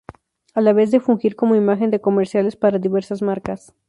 A la vez de fungir como imagen de comerciales para diversas marcas.